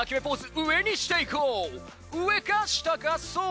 上か下かそう！